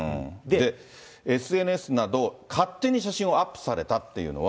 ＳＮＳなど、勝手に写真をアップされたっていうのは。